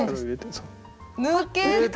抜けた！